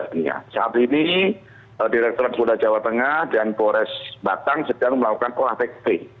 saat ini direktur kota jawa tengah dan polres batang sedang melakukan olah pek p